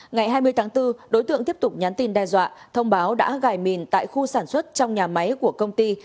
ngày hai mươi tháng bốn đối tượng tiếp tục nhắn tin đe dọa thông báo đã gài mìn tại khu sản xuất trong nhà máy của công ty